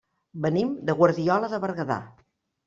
Venim de Guardiola de Berguedà.